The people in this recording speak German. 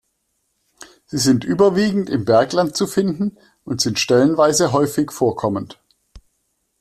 Sie sind überwiegend im Bergland zu finden und sind stellenweise häufig vorkommend.